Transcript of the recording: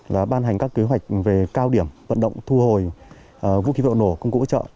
là ban hành các kế hoạch về cao điểm vận động thu hồi vũ khí vật liệu nổ công cụ hỗ trợ